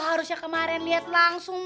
lu harusnya kemaren liat langsung fran